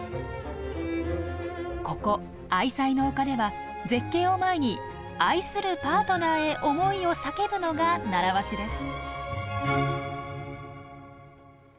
ここ愛妻の丘では絶景を前に愛するパートナーへ思いを叫ぶのが習わしです。